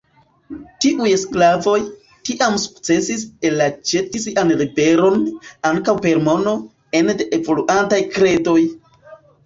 Tiuj sklavoj, tiam sukcesis elaĉeti sian liberon, ankaŭ per mono, ene de evoluantaj kredoj!